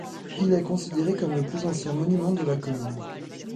Il est considéré comme le plus ancien monument de la commune.